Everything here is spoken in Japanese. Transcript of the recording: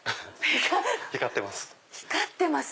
光ってます。